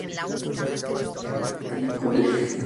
Independientemente del resultado, Raven decidió marcharse.